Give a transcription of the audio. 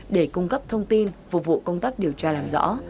để cung cấp thông tin phục vụ công tác điều tra làm rõ